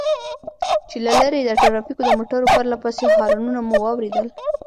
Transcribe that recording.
چې له لرې د ټرافيکو د موټر پرله پسې هارنونه مو واورېدل.